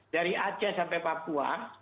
dari aceh sampai papua